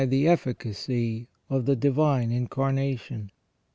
the efficacy of the Divine Incarnation.